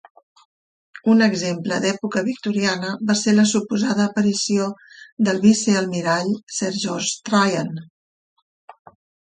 Un exemple d'època victoriana va ser la suposada aparició del vicealmirall Sir George Tryon.